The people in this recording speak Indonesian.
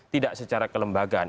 tidak secara kelembagaan